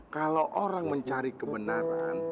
kalo orang mencari kebenaran